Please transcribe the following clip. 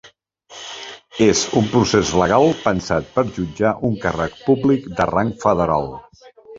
És un procés legal pensat per jutjar un càrrec públic de rang federal.